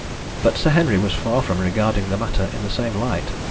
But Sir Henry was far from regarding the matter in the same light.